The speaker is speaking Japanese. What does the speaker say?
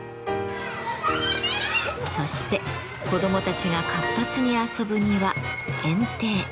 そして子どもたちが活発に遊ぶ庭「園庭」。